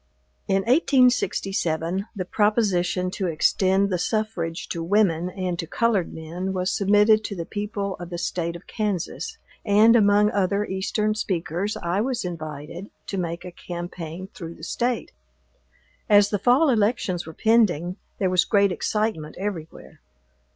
In 1867 the proposition to extend the suffrage to women and to colored men was submitted to the people of the State of Kansas, and, among other Eastern speakers, I was invited to make a campaign through the State. As the fall elections were pending, there was great excitement everywhere.